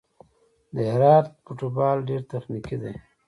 د هرات فوټبال ډېر تخنیکي دی.